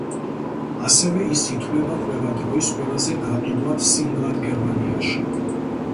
ასევე ის ითვლება ყველა დროის ყველაზე გაყიდვად სინგლად გერმანიაში.